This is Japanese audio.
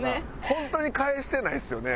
本当に返してないですよね？